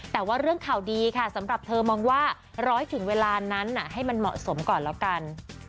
แต่ว่าเรื่องข่าวดีค่ะสำหรับเธอมองว่าร้อยถึงเวลานั้นให้มันเหมาะสมก่อนแล้วกัน